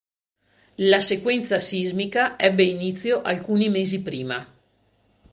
La sequenza sismica ebbe inizio alcuni mesi prima.